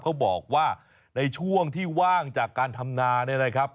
เขาบอกว่าในช่วงที่ว่างจากการทำนาเนี่ยนะครับ